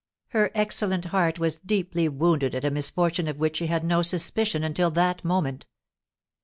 Her excellent heart was deeply wounded at a misfortune of which she had no suspicion until that moment.